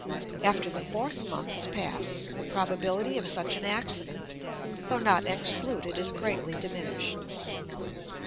After the fourth month has passed, the probability of such an accident, though not excluded, is greatly diminished.